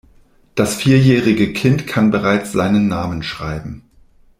Das vierjährige Kind kann bereits seinen Namen schreiben.